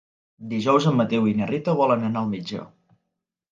Dijous en Mateu i na Rita volen anar al metge.